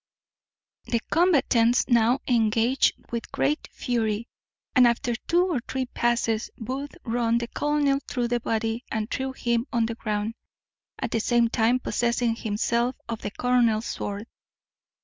The combatants now engaged with great fury, and, after two or three passes, Booth run the colonel through the body and threw him on the ground, at the same time possessing himself of the colonel's sword.